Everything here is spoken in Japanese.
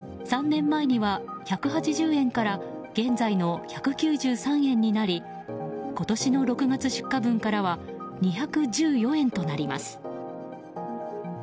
時代と共に価格は上がり３年前には１８０円から現在の１９３円になり今年の６月出荷分からは２１４円となります。